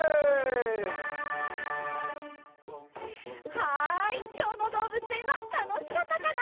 はいきょうのどうぶつえんはたのしかったかな？